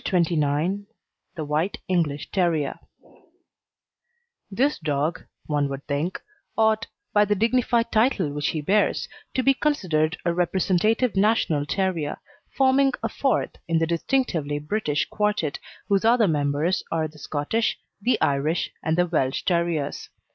CHAPTER XXIX THE WHITE ENGLISH TERRIER This dog, one would think, ought, by the dignified title which he bears, to be considered a representative national terrier, forming a fourth in the distinctively British quartette whose other members are the Scottish, the Irish, and the Welsh Terriers.